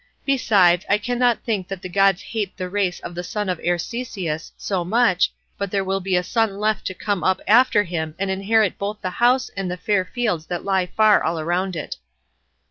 Besides, I cannot think that the gods hate the race of the son of Arceisius so much, but there will be a son left to come up after him, and inherit both the house and the fair fields that lie far all round it."